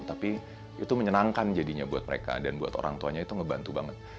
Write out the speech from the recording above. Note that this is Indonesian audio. tapi itu menyenangkan jadinya buat mereka dan buat orang tuanya itu ngebantu banget